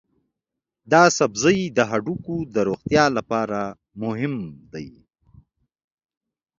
دا سبزی د هډوکو د روغتیا لپاره مهم دی.